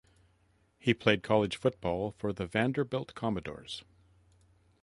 He played college football for the Vanderbilt Commodores.